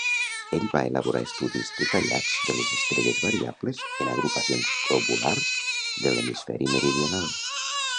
Ell va elaborar estudis detallats de les estrelles variables en agrupacions globulars de l'hemisferi meridional.